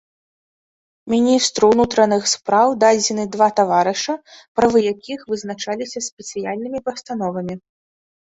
Міністру ўнутраных спраў дадзены два таварыша, правы якіх вызначаліся спецыяльнымі пастановамі.